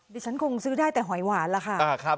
ดิฉันคงซื้อได้แต่หอยหวานล่ะค่ะ